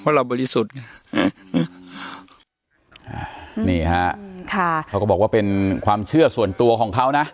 เพราะเราบริสุทธิ์ไงนี่ฮะค่ะเขาก็บอกว่าเป็นความเชื่อส่วนตัวของเขานะ